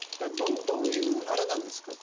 どういう、あれなんですか。